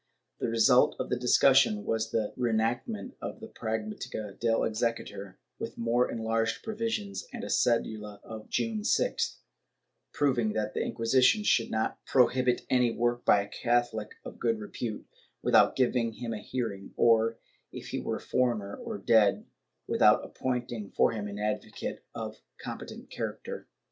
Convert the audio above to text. The result of the discussion was the re enactment of the Pragmdtica del Exequatur, with more enlarged provisions, and a cedula of June 6th providing that the Inquisition should not prohibit any work by a Catholic of good repute, without giving him a hearing or, if he were a foreigner or dead, without appointing for him an advocate of competent character.